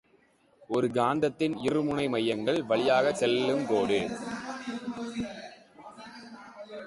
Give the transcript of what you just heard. ஒரு காந்தத்தின் இரு முனை மையங்கள் வழியாகச் செல்லுங் கோடு.